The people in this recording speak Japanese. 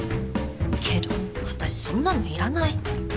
けど私そんなのいらない。